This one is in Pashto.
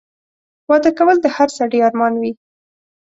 واده کول د هر سړي ارمان وي